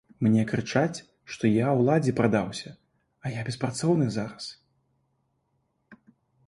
Мне крычаць, што я ўладзе прадаўся, а я беспрацоўны зараз.